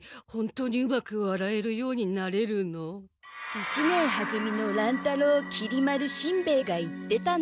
一年は組の乱太郎きり丸しんべヱが言ってたの。